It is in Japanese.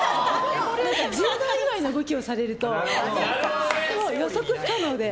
柔道以外の動きをされると予測不可能で。